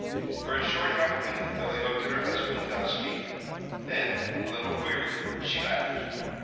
For a short half minute Billy looked at her husband without speaking. Then, a little queerly, she laughed.